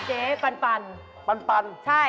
เจาะ